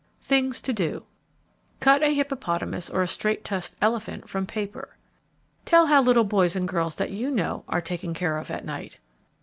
THINGS TO DO Cut a hippopotamus or a straight tusked elephant from paper. _Tell how little boys and girls that you know are taken care of at night.